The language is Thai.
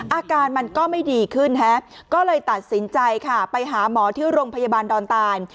อาการมันก็ไม่ดีขึ้นก็เลยตัดสินใจค่ะไปหาหมอที่โรงพยาบาลดอนตาน